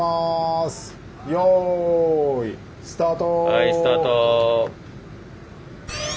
はいスタート。